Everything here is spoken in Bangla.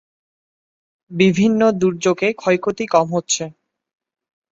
বিভিন্ন দূর্যোগে ক্ষয়ক্ষতি কম হচ্ছে।